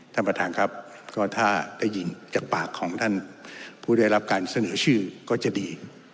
ท่านประธานครับก็ถ้าได้ยินจากปากของท่านผู้ได้รับการเสนอชื่อก็จะดี